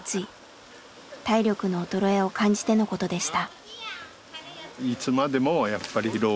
体力の衰えを感じてのことでした。